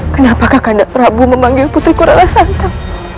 kenapa kakak nak prabu memanggil putri kurang asantah